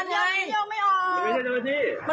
คนที่ใส่เชื้อบอกว่า